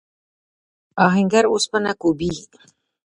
آهنګر اوسپنه کوبي.